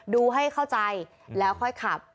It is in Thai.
ดูให้เข้าใจแล้วค่อยขับ